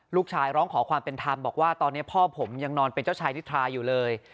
ร้องขอความเป็นธรรมบอกว่าตอนนี้พ่อผมยังนอนเป็นเจ้าชายนิทราอยู่เลย